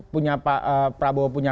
punya pak prabowo punya